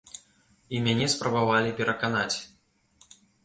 І мяне спрабавалі пераканаць.